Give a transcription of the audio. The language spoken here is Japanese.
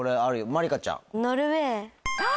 まりかちゃん。